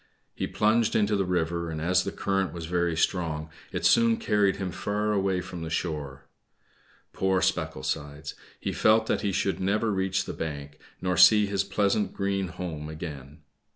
He plunged into the river, and as the current was very strong it soon carried him far away from the shore. Poor Specklesides! he felt that he should never reach the bank, nor see his pleasant green home again.